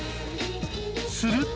すると